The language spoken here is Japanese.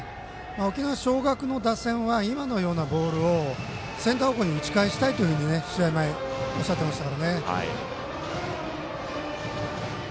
沖縄尚学の打線は今のようなボールをセンター方向に打ち返したいと試合前におっしゃっていました。